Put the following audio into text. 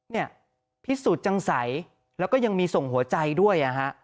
เนี่ยพิสูจน์จังใสแล้วก็ยังมีส่งหัวใจด้วย